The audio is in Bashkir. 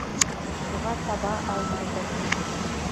Шуға таба алмайбыҙ.